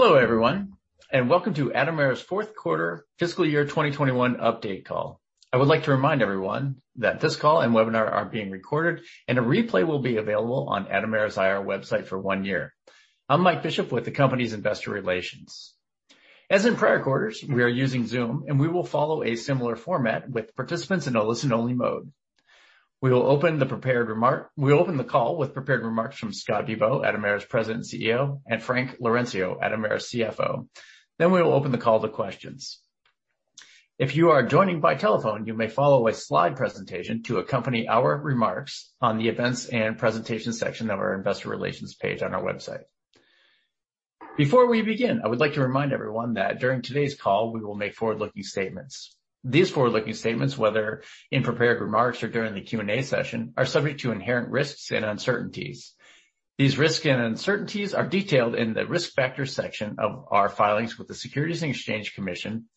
Hello, everyone, and welcome to Atomera's Q4 Fiscal Year 2021 Update Call. I would like to remind everyone that this call and webinar are being recorded, and a replay will be available on Atomera's IR website for one year. I'm Mike Bishop with the company's Investor Relations. As in prior quarters, we are using Zoom, and we will follow a similar format with participants in a listen-only mode. We'll open the call with prepared remarks from Scott Bibaud, Atomera's President and CEO, and Frank Laurencio, Atomera's CFO. Then we will open the call to questions. If you are joining by telephone, you may follow a slide presentation to accompany our remarks on the Events and Presentation section of our Investor Relations page on our website. Before we begin, I would like to remind everyone that during today's call, we will make forward-looking statements. These forward-looking statements, whether in prepared remarks or during the Q&A session, are subject to inherent risks and uncertainties. These risks and uncertainties are detailed in the Risk Factors section of our filings with the Securities and Exchange Commission,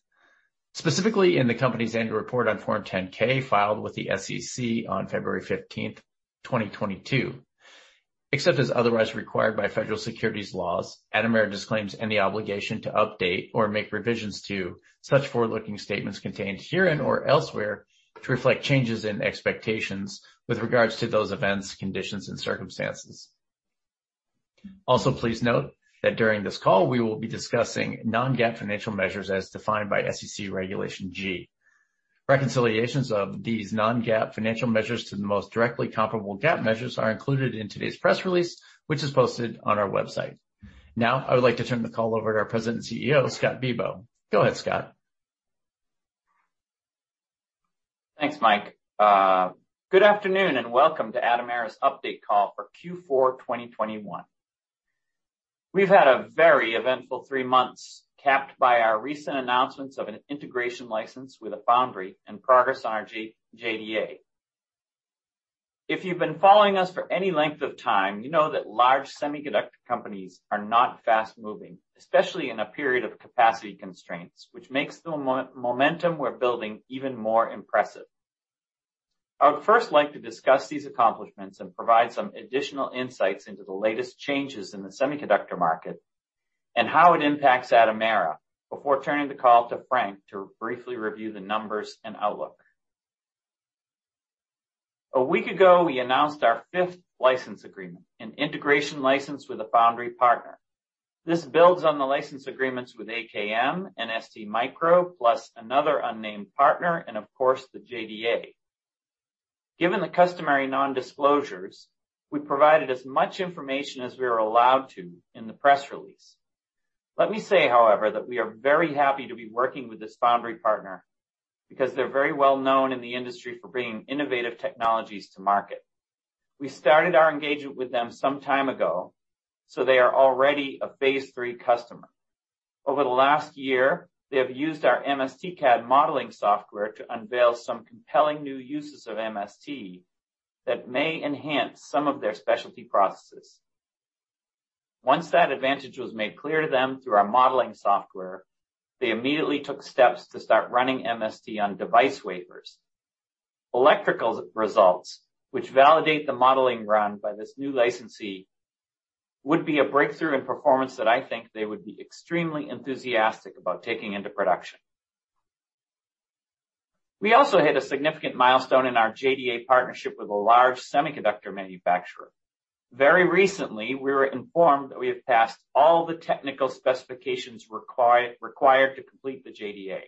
specifically in the company's annual report on Form 10-K filed with the SEC on February 15, 2022. Except as otherwise required by federal securities laws, Atomera disclaims any obligation to update or make revisions to such forward-looking statements contained herein or elsewhere to reflect changes in expectations with regards to those events, conditions, and circumstances. Also, please note that during this call, we will be discussing non-GAAP financial measures as defined by SEC Regulation G. Reconciliations of these non-GAAP financial measures to the most directly comparable GAAP measures are included in today's press release, which is posted on our website. Now, I would like to turn the call over to our President and CEO, Scott Bibaud. Go ahead, Scott. Thanks, Mike. Good afternoon, and welcome to Atomera's Update Call for Q4 2021. We've had a very eventful three months, capped by our recent announcements of an integration license with a foundry and progress on our JDA. If you've been following us for any length of time, you know that large semiconductor companies are not fast-moving, especially in a period of capacity constraints, which makes the momentum we're building even more impressive. I would first like to discuss these accomplishments and provide some additional insights into the latest changes in the semiconductor market and how it impacts Atomera before turning the call to Frank to briefly review the numbers and outlook. A week ago, we announced our fifth license agreement, an integration license with a foundry partner. This builds on the license agreements with AKM and STMicroelectronics, plus another unnamed partner and of course, the JDA. Given the customary non-disclosures, we provided as much information as we are allowed to in the press release. Let me say, however, that we are very happy to be working with this foundry partner because they're very well known in the industry for bringing innovative technologies to market. We started our engagement with them some time ago, so they are already a phase three customer. Over the last year, they have used our MST CAD modeling software to unveil some compelling new uses of MST that may enhance some of their specialty processes. Once that advantage was made clear to them through our modeling software, they immediately took steps to start running MST on device wafers. Electrical results, which validate the modeling run by this new licensee, would be a breakthrough in performance that I think they would be extremely enthusiastic about taking into production. We also hit a significant milestone in our JDA partnership with a large semiconductor manufacturer. Very recently, we were informed that we have passed all the technical specifications required to complete the JDA.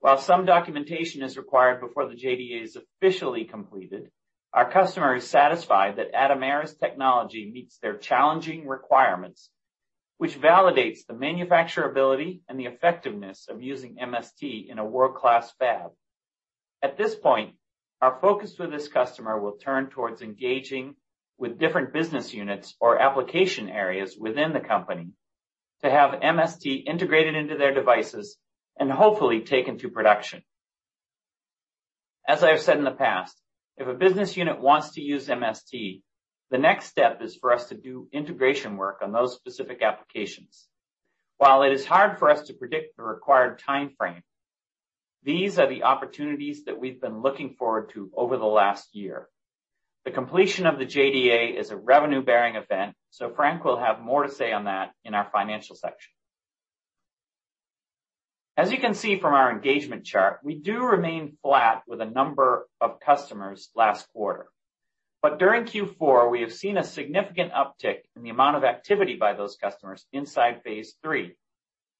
While some documentation is required before the JDA is officially completed, our customer is satisfied that Atomera's technology meets their challenging requirements, which validates the manufacturability and the effectiveness of using MST in a world-class fab. At this point, our focus with this customer will turn towards engaging with different business units or application areas within the company to have MST integrated into their devices and hopefully taken to production. As I have said in the past, if a business unit wants to use MST, the next step is for us to do integration work on those specific applications. While it is hard for us to predict the required timeframe, these are the opportunities that we've been looking forward to over the last year. The completion of the JDA is a revenue-bearing event, so Frank will have more to say on that in our financial section. As you can see from our engagement chart, we do remain flat with a number of customers last quarter. During Q4, we have seen a significant uptick in the amount of activity by those customers inside phase three,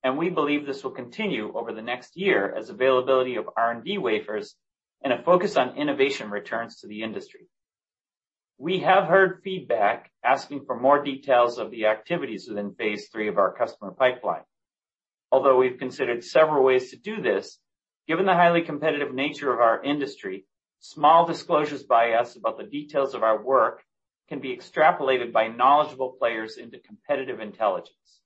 and we believe this will continue over the next year as availability of R&D wafers and a focus on innovation returns to the industry. We have heard feedback asking for more details of the activities within phase three of our customer pipeline. Although we've considered several ways to do this, given the highly competitive nature of our industry, small disclosures by us about the details of our work can be extrapolated by knowledgeable players into competitive intelligence.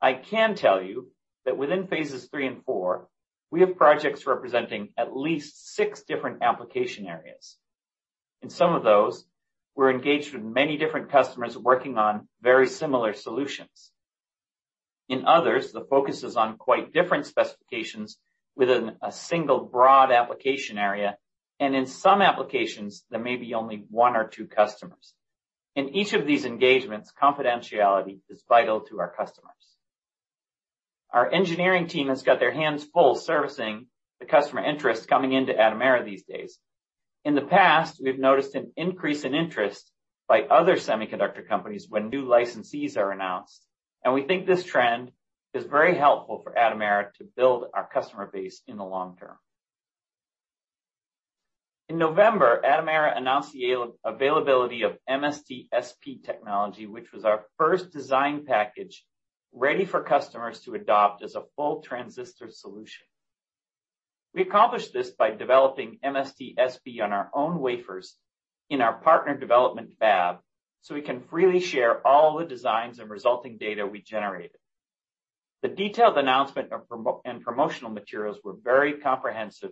I can tell you that within phases three and four, we have projects representing at least six different application areas. In some of those, we're engaged with many different customers working on very similar solutions. In others, the focus is on quite different specifications within a single broad application area. In some applications, there may be only one or two customers. In each of these engagements, confidentiality is vital to our customers. Our engineering team has got their hands full servicing the customer interest coming into Atomera these days. In the past, we've noticed an increase in interest by other semiconductor companies when new licensees are announced, and we think this trend is very helpful for Atomera to build our customer base in the long term. In November, Atomera announced the availability of MST SP technology, which was our first design package ready for customers to adopt as a full transistor solution. We accomplished this by developing MST SP on our own wafers in our partner development fab, so we can freely share all the designs and resulting data we generated. The detailed announcement of product and promotional materials were very comprehensive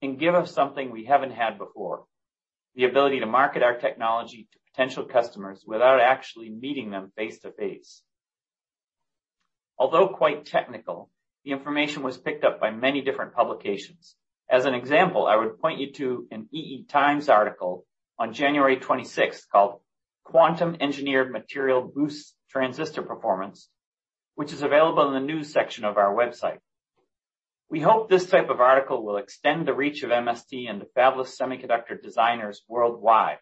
and give us something we haven't had before, the ability to market our technology to potential customers without actually meeting them face-to-face. Although quite technical, the information was picked up by many different publications. As an example, I would point you to an EE Times article on January 26th, called Quantum-Engineered Material Boosts Transistor Performance, which is available in the news section of our website. We hope this type of article will extend the reach of MST and the fabulous semiconductor designers worldwide.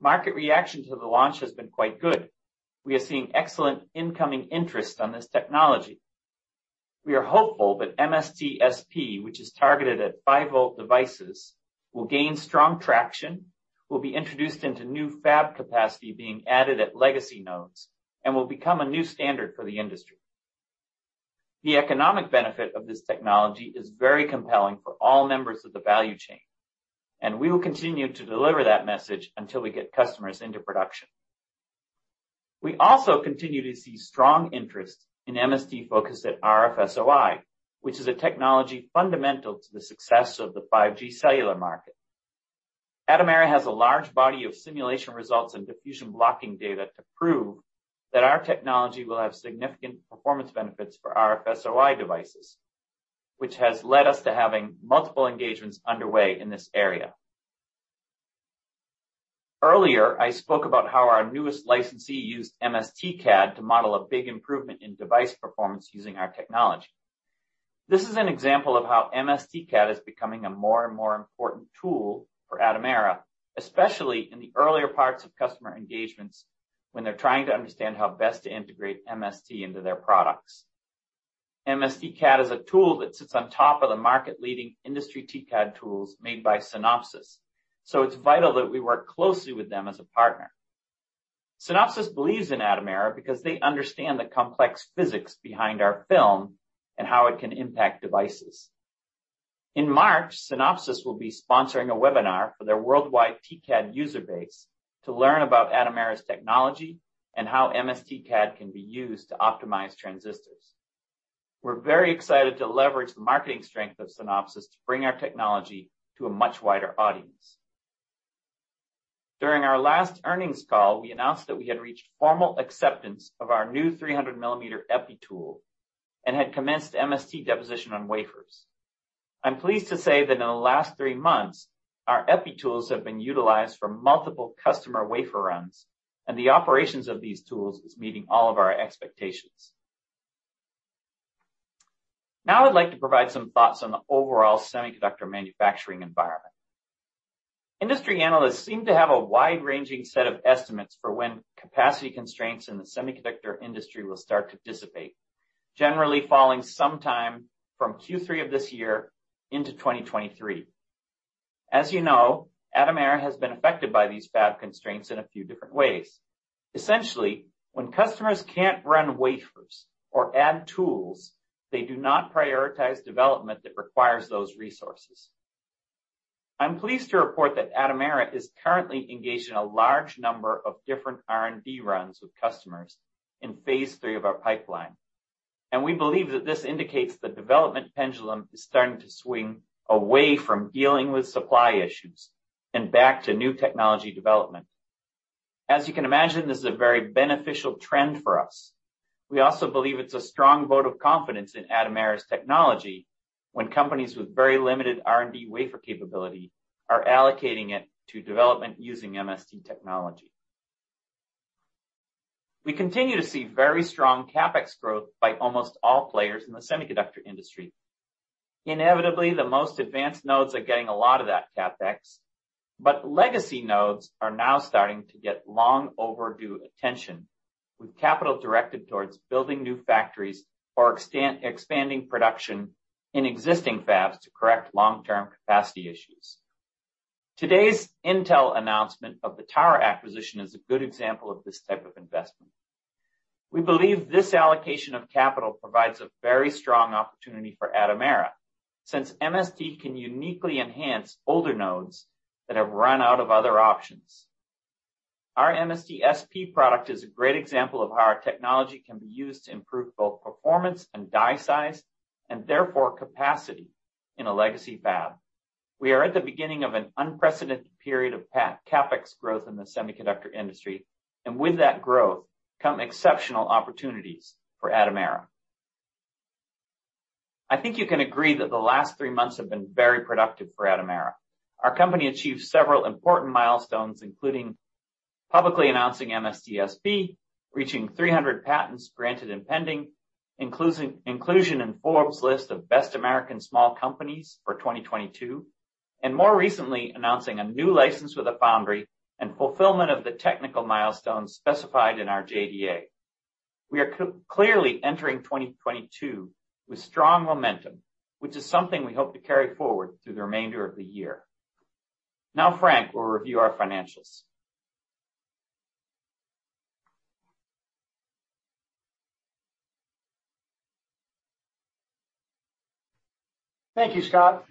Market reaction to the launch has been quite good. We are seeing excellent incoming interest on this technology. We are hopeful that MST SP, which is targeted at 5-volt devices, will gain strong traction, will be introduced into new fab capacity being added at legacy nodes, and will become a new standard for the industry. The economic benefit of this technology is very compelling for all members of the value chain, and we will continue to deliver that message until we get customers into production. We also continue to see strong interest in MST focused at RFSOI, which is a technology fundamental to the success of the 5G cellular market. Atomera has a large body of simulation results and diffusion blocking data to prove that our technology will have significant performance benefits for RFSOI devices, which has led us to having multiple engagements underway in this area. Earlier, I spoke about how our newest licensee used MST CAD to model a big improvement in device performance using our technology. This is an example of how MST CAD is becoming a more and more important tool for Atomera, especially in the earlier parts of customer engagements when they're trying to understand how best to integrate MST into their products. MST CAD is a tool that sits on top of the market-leading industry TCAD tools made by Synopsys, so it's vital that we work closely with them as a partner. Synopsys believes in Atomera because they understand the complex physics behind our film and how it can impact devices. In March, Synopsys will be sponsoring a webinar for their worldwide TCAD user base to learn about Atomera's technology and how MST CAD can be used to optimize transistors. We're very excited to leverage the marketing strength of Synopsys to bring our technology to a much wider audience. During our last earnings call, we announced that we had reached formal acceptance of our new 300-millimeter EPI tool and had commenced MST deposition on wafers. I'm pleased to say that in the last three months, our EPI tools have been utilized for multiple customer wafer runs, and the operations of these tools is meeting all of our expectations. Now I'd like to provide some thoughts on the overall semiconductor manufacturing environment. Industry analysts seem to have a wide-ranging set of estimates for when capacity constraints in the semiconductor industry will start to dissipate, generally falling sometime from Q3 of this year into 2023. As you know, Atomera has been affected by these fab constraints in a few different ways. Essentially, when customers can't run wafers or add tools, they do not prioritize development that requires those resources. I'm pleased to report that Atomera is currently engaged in a large number of different R&D runs with customers in phase three of our pipeline, and we believe that this indicates the development pendulum is starting to swing away from dealing with supply issues and back to new technology development. As you can imagine, this is a very beneficial trend for us. We also believe it's a strong vote of confidence in Atomera's technology when companies with very limited R&D wafer capability are allocating it to development using MST technology. We continue to see very strong CapEx growth by almost all players in the semiconductor industry. Inevitably, the most advanced nodes are getting a lot of that CapEx, but legacy nodes are now starting to get long overdue attention, with capital directed towards building new factories or expanding production in existing fabs to correct long-term capacity issues. Today's Intel announcement of the Tower acquisition is a good example of this type of investment. We believe this allocation of capital provides a very strong opportunity for Atomera, since MST can uniquely enhance older nodes that have run out of other options. Our MST SP product is a great example of how our technology can be used to improve both performance and die size, and therefore capacity in a legacy fab. We are at the beginning of an unprecedented period of CapEx growth in the semiconductor industry, and with that growth come exceptional opportunities for Atomera. I think you can agree that the last three months have been very productive for Atomera. Our company achieved several important milestones, including publicly announcing MST SP, reaching 300 patents granted and pending, inclusion in Forbes' list of America's Best Small Companies for 2022, and more recently announcing a new license with a foundry and fulfillment of the technical milestones specified in our JDA. We are clearly entering 2022 with strong momentum, which is something we hope to carry forward through the remainder of the year. Now Frank will review our financials. Thank you, Scott.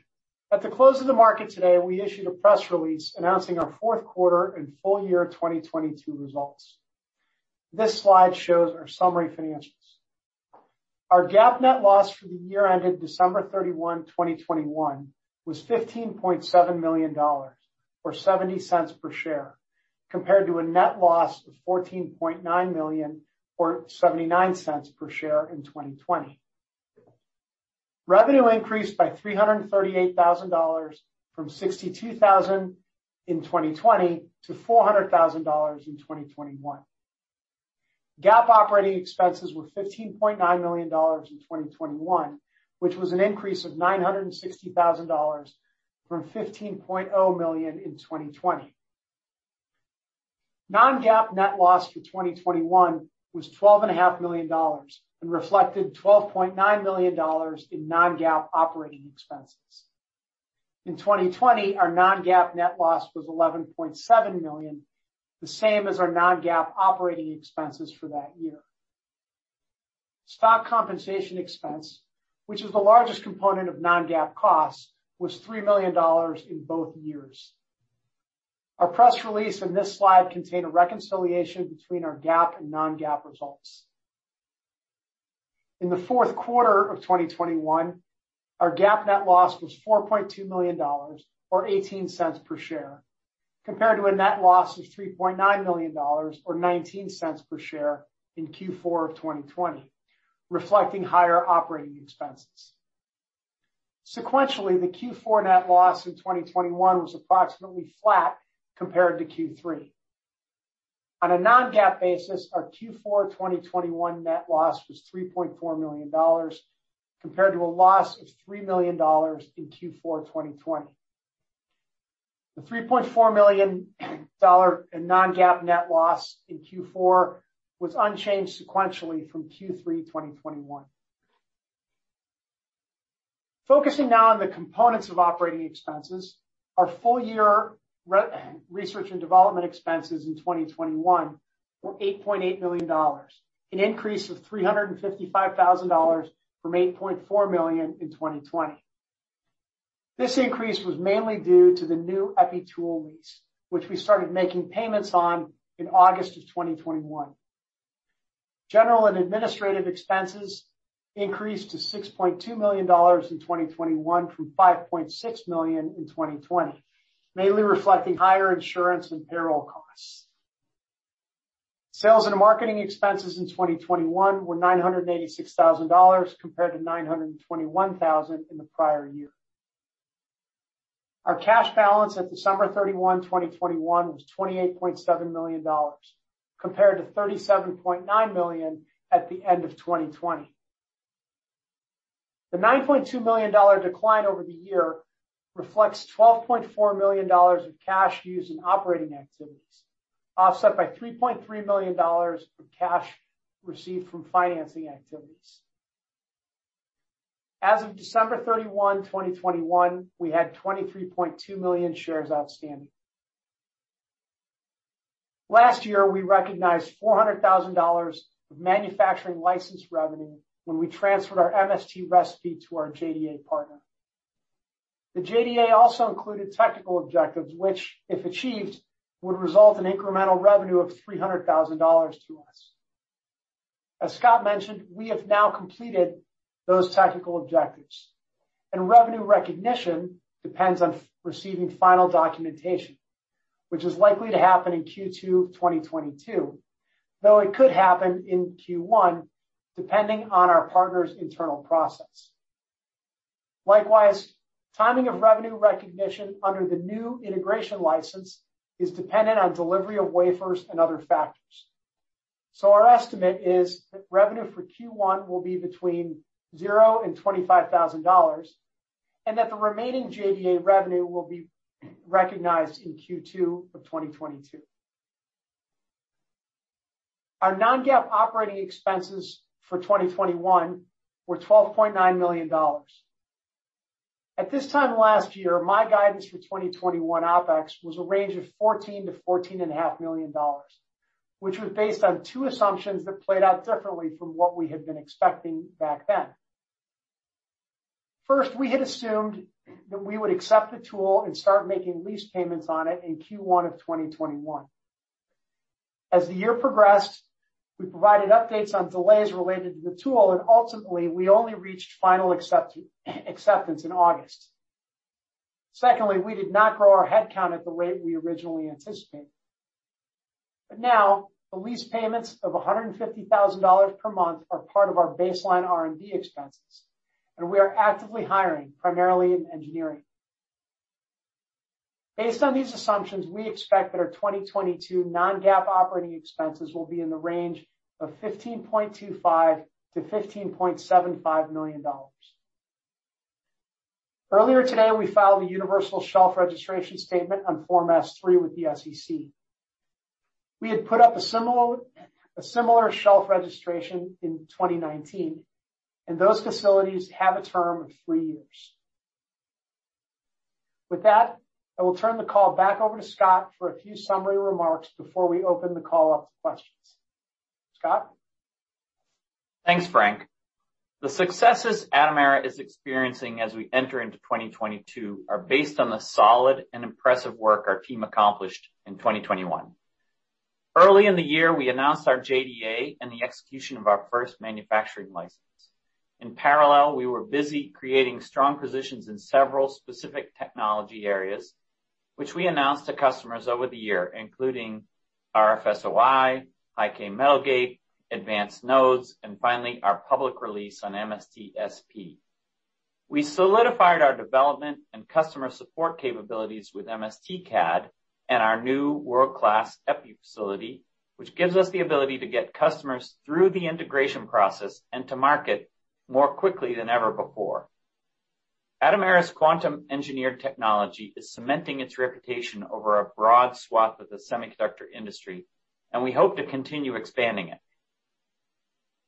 At the close of the market today, we issued a press release announcing our Q4 and FY 2021 results. This slide shows our summary financials. Our GAAP net loss for the year ended December 31, 2021 was $15.7 million or $0.70 per share, compared to a net loss of $14.9 million or $0.79 per share in 2020. Revenue increased by $338,000 from $62,000 in 2020 to $400,000 in 2021. GAAP operating expenses were $15.9 million in 2021, which was an increase of $960,000 from $15.0 million in 2020. Non-GAAP net loss for 2021 was $12 and a half million and reflected $12.9 million in non-GAAP operating expenses. In 2020, our non-GAAP net loss was $11.7 million, the same as our non-GAAP operating expenses for that year. Stock compensation expense, which is the largest component of non-GAAP costs, was $3 million in both years. Our press release and this slide contain a reconciliation between our GAAP and non-GAAP results. In the fourth quarter of 2021, our GAAP net loss was $4.2 million or $0.18 per share, compared to a net loss of $3.9 million or $0.19 per share in Q4 of 2020, reflecting higher operating expenses. Sequentially, the Q4 net loss in 2021 was approximately flat compared to Q3. On a non-GAAP basis, our Q4 2021 net loss was $3.4 million, compared to a loss of $3 million in Q4 2020. The $3.4 million in non-GAAP net loss in Q4 was unchanged sequentially from Q3 2021. Focusing now on the components of operating expenses, our full year research and development expenses in 2021 were $8.8 million, an increase of $355,000 from $8.4 million in 2020. This increase was mainly due to the new EPI tool lease, which we started making payments on in August 2021. General and administrative expenses increased to $6.2 million in 2021 from $5.6 million in 2020, mainly reflecting higher insurance and payroll costs. Sales and marketing expenses in 2021 were $986,000 compared to $921,000 in the prior year. Our cash balance at December 31, 2021 was $28.7 million, compared to $37.9 million at the end of 2020. The $9.2 million decline over the year reflects $12.4 million of cash used in operating activities, offset by $3.3 million of cash received from financing activities. As of December 31, 2021, we had 23.2 million shares outstanding. Last year, we recognized $400,000 of manufacturing license revenue when we transferred our MST recipe to our JDA partner. The JDA also included technical objectives, which, if achieved, would result in incremental revenue of $300,000 to us. As Scott mentioned, we have now completed those technical objectives, and revenue recognition depends on receiving final documentation, which is likely to happen in Q2 of 2022, though it could happen in Q1, depending on our partner's internal process. Likewise, timing of revenue recognition under the new integration license is dependent on delivery of wafers and other factors. Our estimate is that revenue for Q1 will be between $0 and $25,000, and that the remaining JDA revenue will be recognized in Q2 of 2022. Our non-GAAP operating expenses for 2021 were $12.9 million. At this time last year, my guidance for 2021 OpEx was a range of $14 million-$14.5 million, which was based on two assumptions that played out differently from what we had been expecting back then. First, we had assumed that we would accept the tool and start making lease payments on it in Q1 of 2021. As the year progressed, we provided updates on delays related to the tool, and ultimately, we only reached final acceptance in August. Secondly, we did not grow our headcount at the rate we originally anticipated. Now the lease payments of $150,000 per month are part of our baseline R&D expenses, and we are actively hiring, primarily in engineering. Based on these assumptions, we expect that our 2022 non-GAAP operating expenses will be in the range of $15.25 million-$15.75 million. Earlier today, we filed a universal shelf registration statement on Form S-3 with the SEC. We had put up a similar shelf registration in 2019, and those facilities have a term of three years. With that, I will turn the call back over to Scott for a few summary remarks before we open the call up to questions. Scott? Thanks, Frank. The successes Atomera is experiencing as we enter into 2022 are based on the solid and impressive work our team accomplished in 2021. Early in the year, we announced our JDA and the execution of our first manufacturing license. In parallel, we were busy creating strong positions in several specific technology areas, which we announced to customers over the year, including RFSOI, High-K Metal Gate, advanced nodes, and finally, our public release on MST SP. We solidified our development and customer support capabilities with MST CAD and our new world-class EPI facility, which gives us the ability to get customers through the integration process and to market more quickly than ever before. Atomera's quantum engineered technology is cementing its reputation over a broad swath of the semiconductor industry, and we hope to continue expanding it.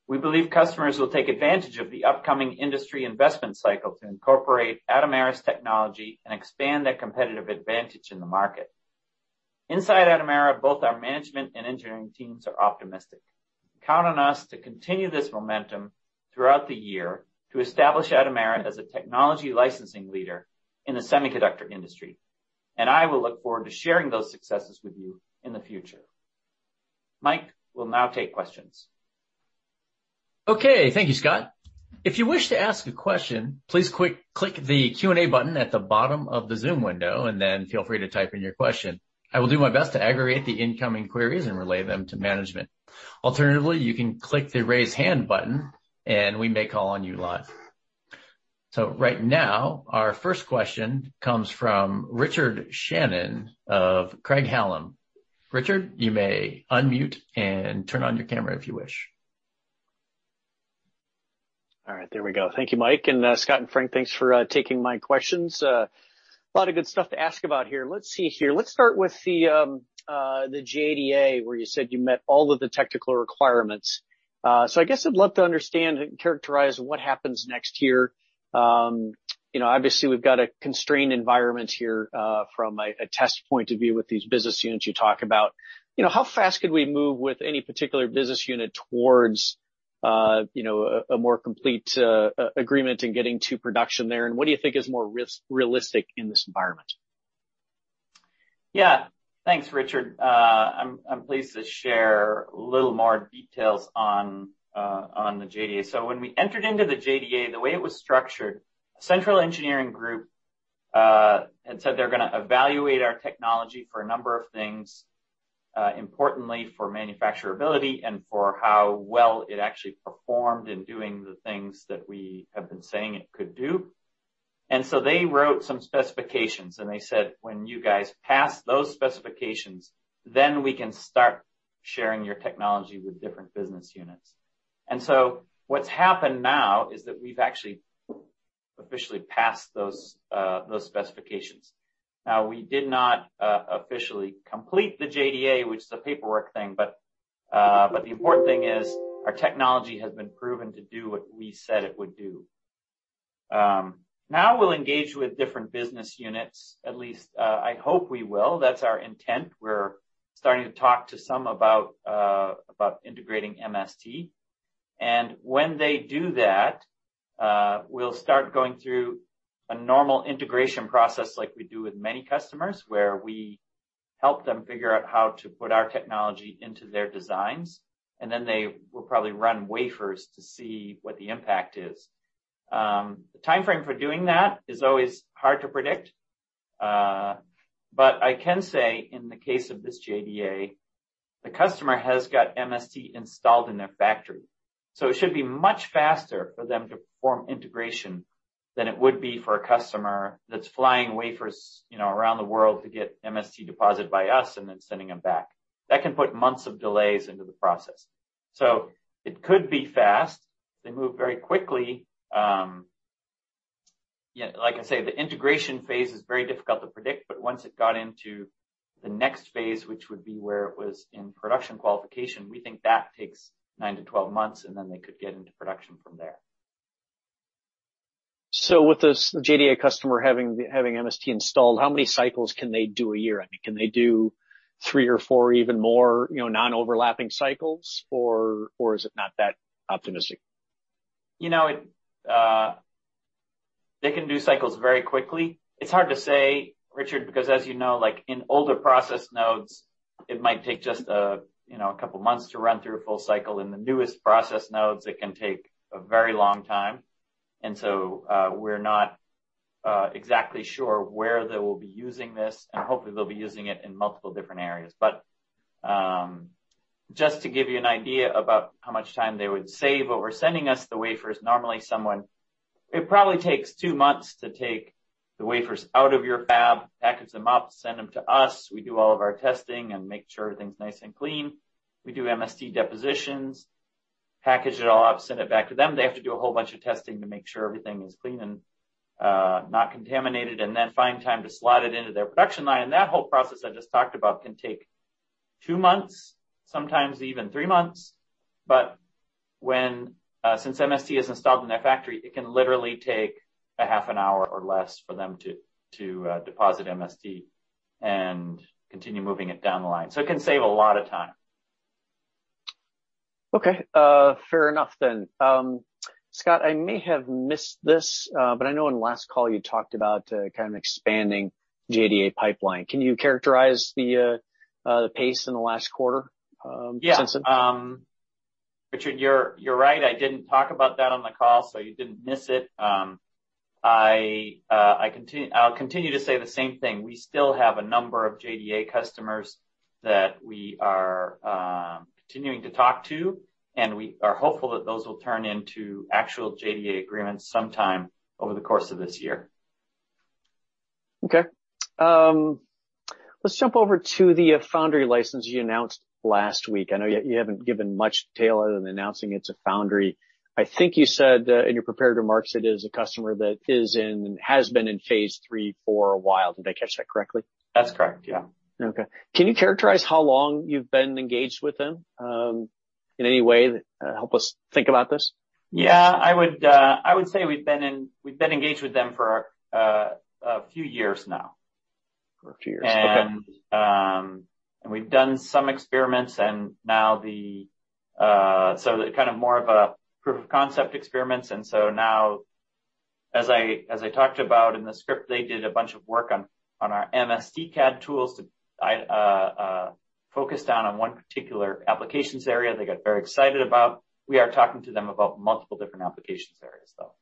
We believe customers will take advantage of the upcoming industry investment cycle to incorporate Atomera's technology and expand their competitive advantage in the market. Inside Atomera, both our management and engineering teams are optimistic. Count on us to continue this momentum throughout the year to establish Atomera as a technology licensing leader in the semiconductor industry, and I will look forward to sharing those successes with you in the future. Mike will now take questions. Okay. Thank you, Scott. If you wish to ask a question, please quick-click the Q&A button at the bottom of the Zoom window, and then feel free to type in your question. I will do my best to aggregate the incoming queries and relay them to management. Alternatively, you can click the Raise Hand button, and we may call on you live. Right now, our first question comes from Richard Shannon of Craig-Hallum. Richard, you may unmute and turn on your camera if you wish. All right. There we go. Thank you, Mike. And, Scott and Frank, thanks for taking my questions. A lot of good stuff to ask about here. Let's see here. Let's start with the JDA, where you said you met all of the technical requirements. So I guess I'd love to understand and characterize what happens next here. You know, obviously, we've got a constrained environment here, from a test point of view with these business units you talk about. You know, how fast could we move with any particular business unit towards, you know, a more complete agreement in getting to production there? And what do you think is more risk-realistic in this environment? Yeah. Thanks, Richard. I'm pleased to share a little more details on the JDA. When we entered into the JDA, the way it was structured, Central Engineering Group had said they're gonna evaluate our technology for a number of things, importantly for manufacturability and for how well it actually performed in doing the things that we have been saying it could do. They wrote some specifications, and they said, "When you guys pass those specifications, then we can start sharing your technology with different business units." What's happened now is that we've actually officially passed those specifications. Now, we did not officially complete the JDA, which is a paperwork thing, but the important thing is our technology has been proven to do what we said it would do. Now we'll engage with different business units, at least, I hope we will. That's our intent. We're starting to talk to some about integrating MST. When they do that, we'll start going through a normal integration process like we do with many customers, where we help them figure out how to put our technology into their designs, and then they will probably run wafers to see what the impact is. The timeframe for doing that is always hard to predict. I can say in the case of this JDA, the customer has got MST installed in their factory, so it should be much faster for them to perform integration than it would be for a customer that's flying wafers, you know, around the world to get MST deposited by us and then sending them back. That can put months of delays into the process. It could be fast. They move very quickly. Yeah, like I say, the integration phase is very difficult to predict, but once it got into the next phase, which would be where it was in production qualification, we think that takes 9-12 months, and then they could get into production from there. So with this JDA customer having MST installed, how many cycles can they do a year? I mean, can they do three or four even more, you know, non-overlapping cycles, or is it not that optimistic? They can do cycles very quickly. It's hard to say, Richard, because as you know, like in older process nodes, it might take just a, you know, a couple months to run through a full cycle. In the newest process nodes, it can take a very long time. We're not exactly sure where they will be using this, and hopefully they'll be using it in multiple different areas. But just to give you an idea about how much time they would save. It probably takes two months to take the wafers out of your fab, package them up, send them to us. We do all of our testing and make sure everything's nice and clean. We do MST depositions, package it all up, send it back to them. They have to do a whole bunch of testing to make sure everything is clean and not contaminated, and then find time to slot it into their production line. That whole process I just talked about can take two months, sometimes even three months. When since MST is installed in their factory, it can literally take a half an hour or less for them to deposit MST and continue moving it down the line. It can save a lot of time. Okay. Fair enough then. Scott, I may have missed this, but I know in the last call you talked about kind of expanding JDA pipeline. Can you characterize the pace in the last quarter since then? Yeah. Richard, you're right. I didn't talk about that on the call, so you didn't miss it. I'll continue to say the same thing. We still have a number of JDA customers that we are continuing to talk to, and we are hopeful that those will turn into actual JDA agreements sometime over the course of this year. Okay. Let's jump over to the foundry license you announced last week. I know you haven't given much detail other than announcing it's a foundry. I think you said in your prepared remarks it is a customer that has been in phase three for a while. Did I catch that correctly? That's correct. Yeah. Okay. Can you characterize how long you've been engaged with them, in any way that help us think about this? Yeah. I would say we've been engaged with them for a few years now. For a few years. Okay. We've done some experiments and now they're kind of more of a proof of concept experiments. Now, as I talked about in the script, they did a bunch of work on our MST CAD tools to focus down on one particular application area they got very excited about. We are talking to them about multiple different application areas, though.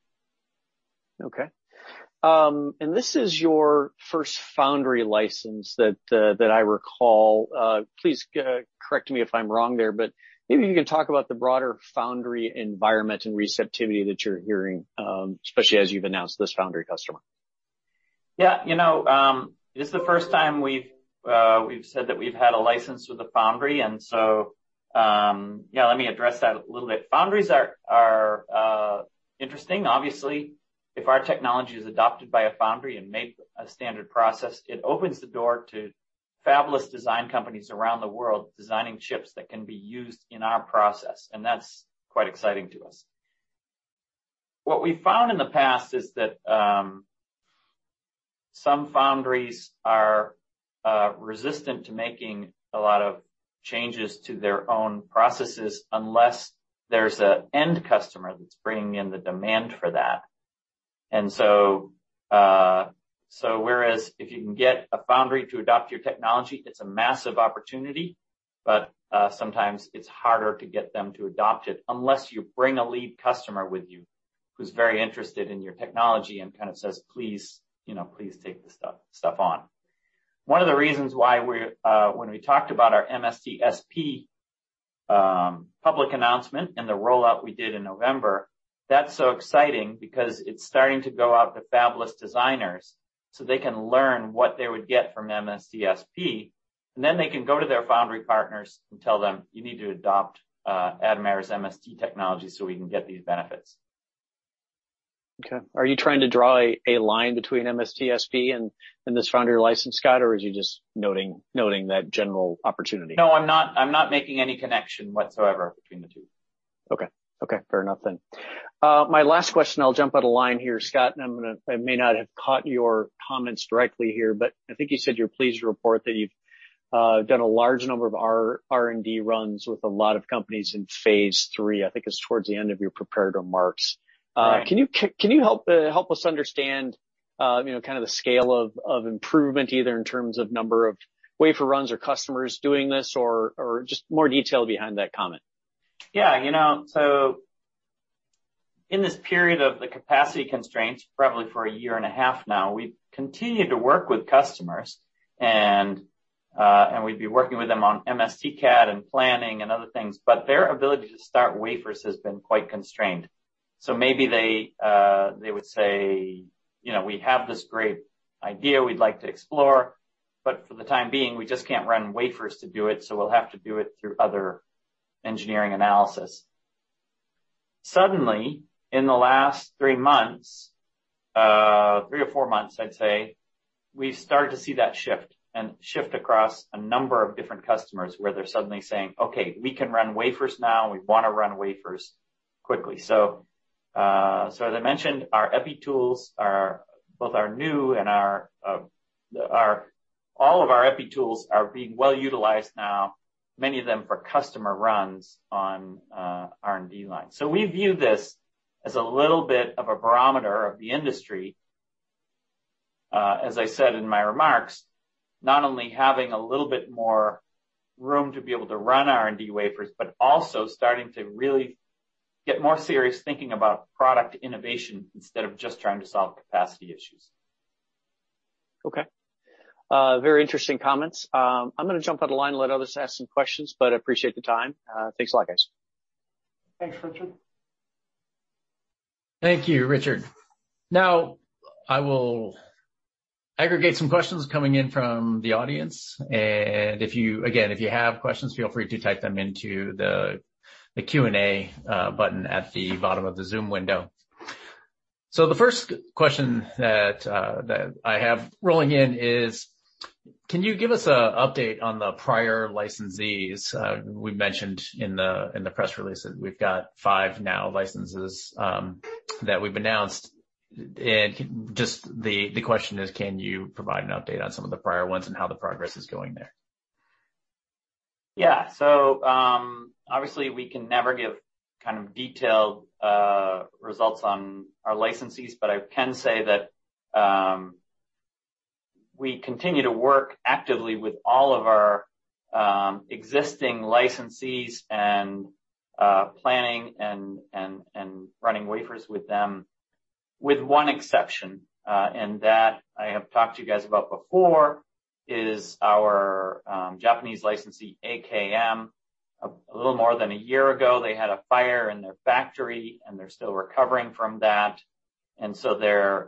Okay. This is your first foundry license that I recall. Please correct me if I'm wrong there, but maybe you can talk about the broader foundry environment and receptivity that you're hearing, especially as you've announced this foundry customer. Yeah. You know, this is the first time we've said that we've had a license with a foundry, and so, yeah, let me address that a little bit. Foundries are interesting. Obviously, if our technology is adopted by a foundry and make a standard process, it opens the door to fabless design companies around the world designing chips that can be used in our process, and that's quite exciting to us. What we found in the past is that some foundries are resistant to making a lot of changes to their own processes unless there's an end customer that's bringing in the demand for that. Whereas if you can get a foundry to adopt your technology, it's a massive opportunity, but sometimes it's harder to get them to adopt it unless you bring a lead customer with you who's very interested in your technology and kind of says, "Please, you know, please take this stuff on." One of the reasons why when we talked about our MST SP public announcement and the rollout we did in November, that's so exciting because it's starting to go out to fabless designers so they can learn what they would get from MST SP, and then they can go to their foundry partners and tell them, "You need to adopt Atomera's MST technology so we can get these benefits. Okay. Are you trying to draw a line between MST SP and this foundry license, Scott, or are you just noting that general opportunity? No, I'm not making any connection whatsoever between the two. Okay. Fair enough. My last question, I'll jump out of line here, Scott, and I'm gonna, I may not have caught your comments directly here, but I think you said you're pleased to report that you've done a large number of R&D runs with a lot of companies in phase three. I think it's towards the end of your prepared remarks. Right. Can you help us understand, you know, kind of the scale of improvement, either in terms of number of wafer runs or customers doing this or just more detail behind that comment? Yeah. You know, in this period of the capacity constraints, probably for a year and a half now, we've continued to work with customers and we'd be working with them on MST CAD and planning and other things, but their ability to start wafers has been quite constrained. Maybe they would say, you know, "We have this great idea we'd like to explore, but for the time being, we just can't run wafers to do it, so we'll have to do it through other engineering analysis." Suddenly, in the last three months, three or four months, I'd say, we've started to see that shift across a number of different customers where they're suddenly saying, "Okay, we can run wafers now. We wanna run wafers quickly. As I mentioned, all of our EPI tools are being well utilized now, many of them for customer runs on R&D lines. We view this as a little bit of a barometer of the industry, as I said in my remarks, not only having a little bit more room to be able to run R&D wafers, but also starting to really get more serious thinking about product innovation instead of just trying to solve capacity issues. Okay. Very interesting comments. I'm gonna jump out of the line and let others ask some questions, but appreciate the time. Thanks a lot, guys. Thanks, Richard. Thank you, Richard. Now I will aggregate some questions coming in from the audience, and again, if you have questions, feel free to type them into the Q&A button at the bottom of the Zoom window. The first question that I have rolling in is, can you give us an update on the prior licensees? We mentioned in the press release that we've got five new licenses that we've announced. Just the question is, can you provide an update on some of the prior ones and how the progress is going there? Yeah. Obviously we can never give kind of detailed results on our licensees, but I can say that we continue to work actively with all of our existing licensees and planning and running wafers with them, with one exception, and that I have talked to you guys about before is our Japanese licensee, AKM. A little more than a year ago, they had a fire in their factory, and they're still recovering from that. Their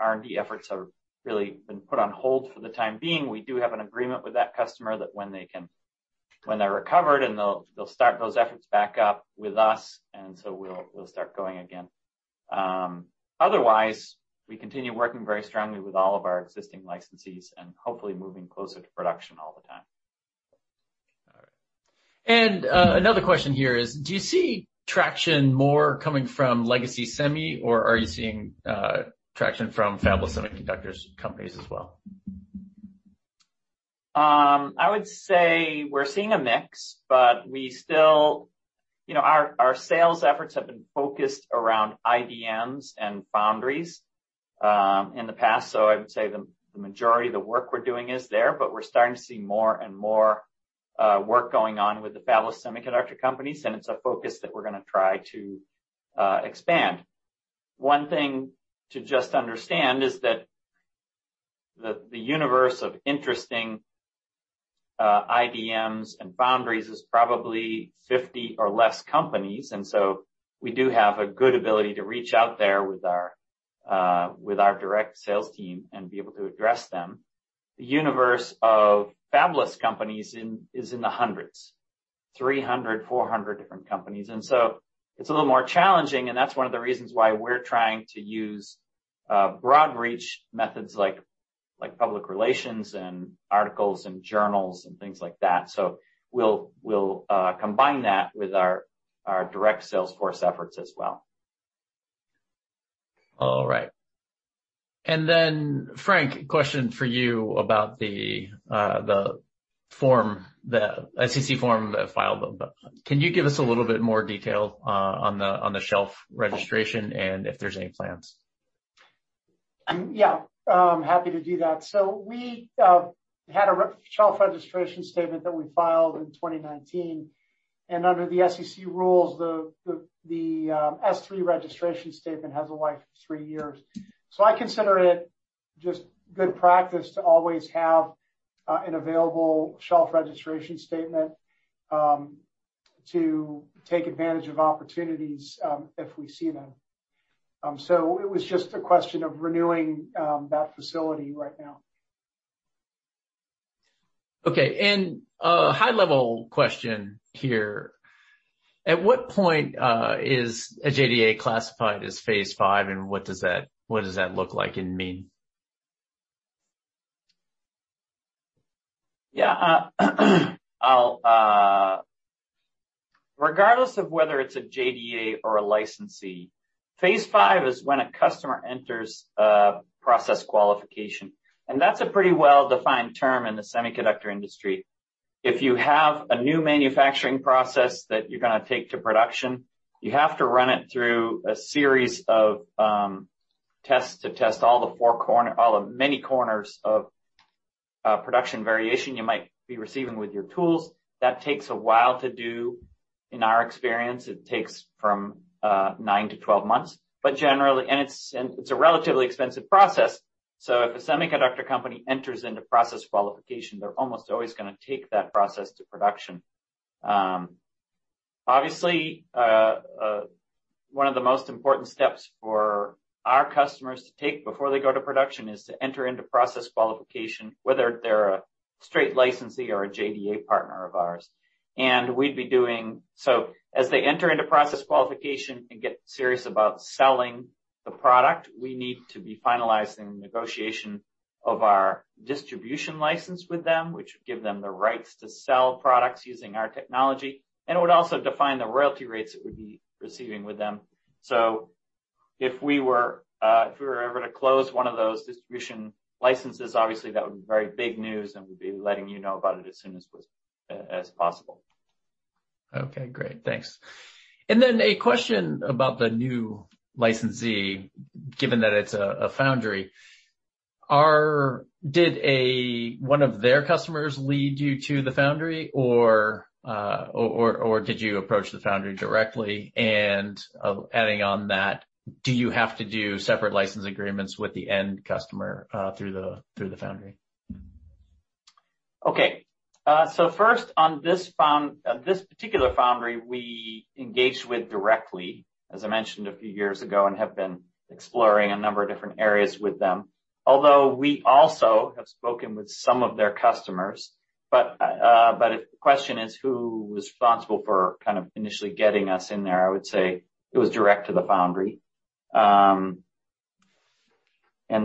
R&D efforts have really been put on hold for the time being. We do have an agreement with that customer that when they're recovered, and they'll start those efforts back up with us, and so we'll start going again. Otherwise, we continue working very strongly with all of our existing licensees and hopefully moving closer to production all the time. All right. Another question here is, do you see traction more coming from legacy semi, or are you seeing traction from fabless semiconductor companies as well? I would say we're seeing a mix, but we still you know, our sales efforts have been focused around IDMs and foundries in the past, so I would say the majority of the work we're doing is there. But we're starting to see more and more work going on with the fabless semiconductor companies, and it's a focus that we're gonna try to expand. One thing to just understand is that the universe of interesting IDMs and foundries is probably 50 or less companies. We do have a good ability to reach out there with our direct sales team and be able to address them. The universe of fabless companies is in the hundreds, 300, 400 different companies. It's a little more challenging, and that's one of the reasons why we're trying to use broad reach methods like public relations and articles and journals and things like that. We'll combine that with our direct sales force efforts as well. All right. Frank, question for you about the form, the SEC form that filed. Can you give us a little bit more detail on the shelf registration and if there's any plans? Yeah, I'm happy to do that. We had a shelf registration statement that we filed in 2019, and under the SEC rules, the S-3 registration statement has a life of three years. I consider it just good practice to always have an available shelf registration statement to take advantage of opportunities if we see them. It was just a question of renewing that facility right now. Okay. A high level question here. At what point is a JDA classified as phase five, and what does that look like and mean? Yeah. Regardless of whether it's a JDA or a licensee, phase five is when a customer enters a process qualification, and that's a pretty well-defined term in the semiconductor industry. If you have a new manufacturing process that you're gonna take to production, you have to run it through a series of tests to test all the many corners of production variation you might be receiving with your tools. That takes a while to do. In our experience, it takes from 9-12 months. Generally, it's a relatively expensive process, so if a semiconductor company enters into process qualification, they're almost always gonna take that process to production. Obviously, one of the most important steps for our customers to take before they go to production is to enter into process qualification, whether they're a straight licensee or a JDA partner of ours. As they enter into process qualification and get serious about selling the product, we need to be finalizing negotiation of our distribution license with them, which would give them the rights to sell products using our technology and would also define the royalty rates that we'd be receiving with them. If we were ever to close one of those distribution licenses, obviously that would be very big news, and we'd be letting you know about it as soon as possible. Okay, great. Thanks. A question about the new licensee, given that it's a foundry. Did one of their customers lead you to the foundry or did you approach the foundry directly? Adding on that, do you have to do separate license agreements with the end customer through the foundry? Okay. First on this particular foundry we engaged with directly, as I mentioned a few years ago, and have been exploring a number of different areas with them. Although we also have spoken with some of their customers. If the question is who was responsible for kind of initially getting us in there, I would say it was direct to the foundry.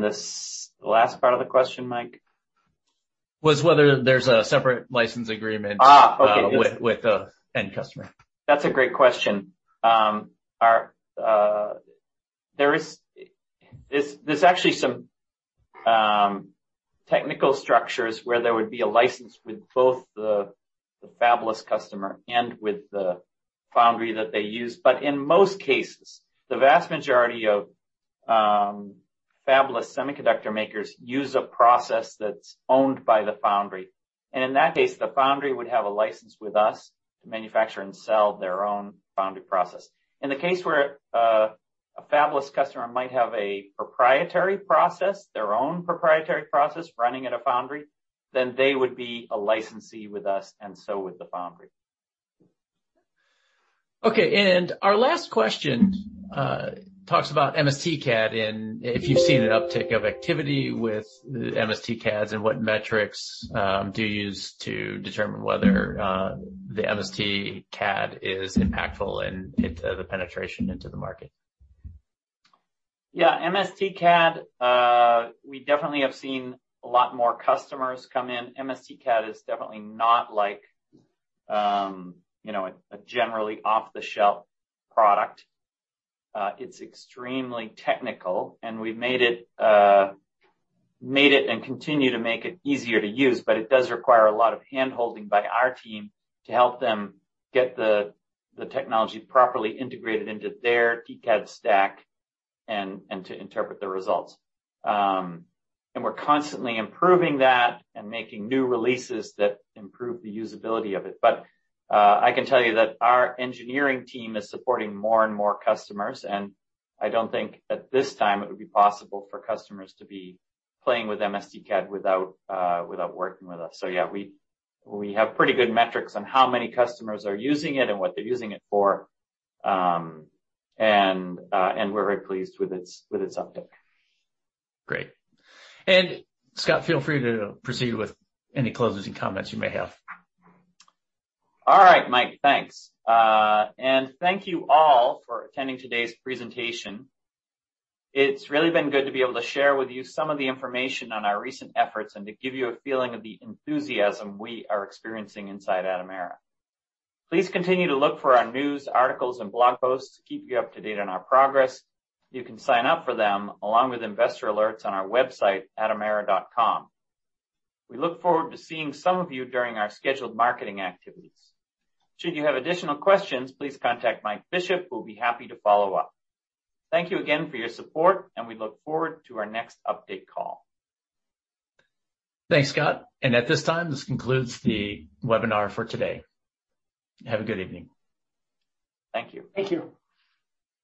This last part of the question, Mike? Was whether there's a separate license agreement with the end customer. That's a great question. There's actually some technical structures where there would be a license with both the fabless customer and with the foundry that they use. In most cases, the vast majority of fabless semiconductor makers use a process that's owned by the foundry. In that case, the foundry would have a license with us to manufacture and sell their own foundry process. In the case where a fabless customer might have a proprietary process, their own proprietary process running at a foundry, then they would be a licensee with us and so would the foundry. Okay. Our last question talks about MST CAD and if you've seen an uptick of activity with MST CADs and what metrics do you use to determine whether the MST CAD is impactful and its penetration into the market? Yeah. MST CAD, we definitely have seen a lot more customers come in. MST CAD is definitely not like, you know, a generally off-the-shelf product. It's extremely technical, and we've made it and continue to make it easier to use, but it does require a lot of hand-holding by our team to help them get the technology properly integrated into their TCAD stack and to interpret the results. We're constantly improving that and making new releases that improve the usability of it. I can tell you that our engineering team is supporting more and more customers, and I don't think at this time it would be possible for customers to be playing with MST CAD without working with us. Yeah, we have pretty good metrics on how many customers are using it and what they're using it for. We're very pleased with its uptick. Great. Scott, feel free to proceed with any closing comments you may have. All right, Mike. Thanks. Thank you all for attending today's presentation. It's really been good to be able to share with you some of the information on our recent efforts and to give you a feeling of the enthusiasm we are experiencing inside Atomera. Please continue to look for our news, articles, and blog posts to keep you up to date on our progress. You can sign up for them along with investor alerts on our website, atomera.com. We look forward to seeing some of you during our scheduled marketing activities. Should you have additional questions, please contact Mike Bishop, who will be happy to follow up. Thank you again for your support, and we look forward to our next update call. Thanks, Scott. At this time, this concludes the webinar for today. Have a good evening. Thank you. Thank you.